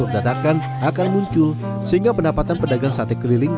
datakan akan muncul sehingga pendapatan pedagang sate keliling